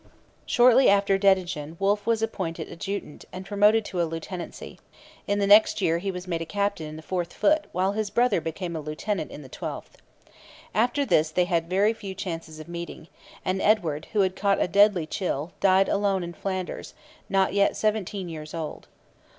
Shortly after Dettingen Wolfe was appointed adjutant and promoted to a lieutenancy. In the next year he was made a captain in the 4th Foot while his brother became a lieutenant in the 12th. After this they had very few chances of meeting; and Edward, who had caught a deadly chill, died alone in Flanders, not yet seventeen years old.